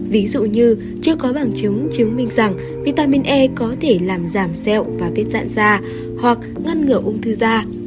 ví dụ như chưa có bằng chứng chứng minh rằng vitamin e có thể làm giảm sẹo và vết dạn da hoặc ngăn ngừa ung thư da